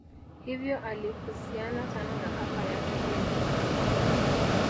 hivyo alihusiana sana na kaka yake edmund